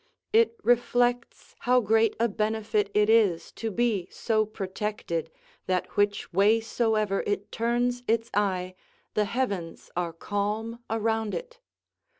It reflects how great a benefit it is to be so protected, that which way soever it turns its eye the heavens are calm around it.